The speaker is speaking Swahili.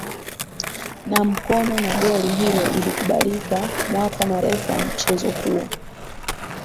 Na mkono na goli hilo lilikubalika mwaka na refa wa mchezo huo